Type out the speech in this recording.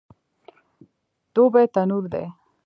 دوبی تنور دی